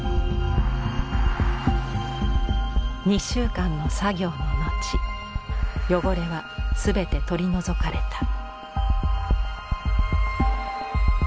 ２週間の作業の後汚れは全て取り除かれた。